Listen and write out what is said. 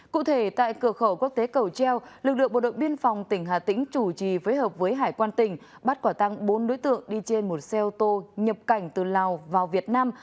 cụ thể tại cửa khẩu quốc tế cầu treo lực lượng bộ đội biên phòng tỉnh hà tĩnh chủ trì phối hợp với hải quan tỉnh bắt quả tăng bốn đối tượng đi trên một xe ô tô nhập cảnh từ lào vào việt nam